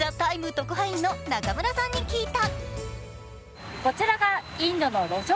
特派員の中村さんに聞いた。